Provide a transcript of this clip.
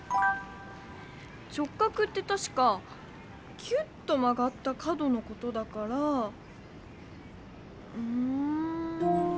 直角ってたしかキュッとまがった角のことだからうん。